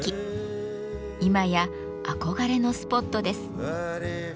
今や憧れのスポットです。